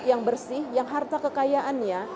yang bersih yang harta kekayaannya